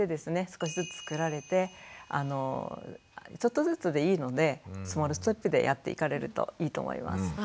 少しずつつくられてちょっとずつでいいのでスモールステップでやっていかれるといいと思います。